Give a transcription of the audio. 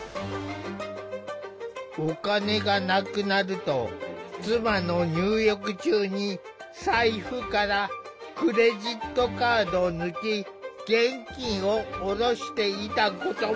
お金がなくなると妻の入浴中に財布からクレジットカードを抜き現金を下ろしていたことも。